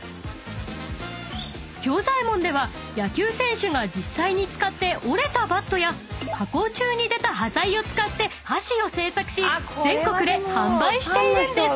［「兵左衛門」では野球選手が実際に使って折れたバットや加工中に出た端材を使って箸を製作し全国で販売しているんです］